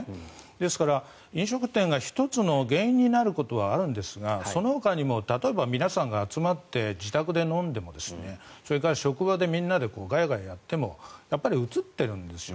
ですから、飲食店が１つの原因になることはあるんですがそのほかにも例えば皆さんが集まって自宅で飲んでもそれから職場でみんなでガヤガヤやってもやっぱりうつってるんですよ。